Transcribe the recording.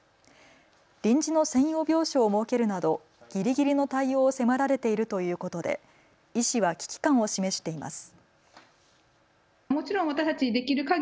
臨時の専用病床を設けるなどぎりぎりの対応を迫られているということで医師は危機感を示しています。